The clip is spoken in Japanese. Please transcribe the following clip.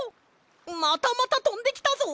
またまたとんできたぞ！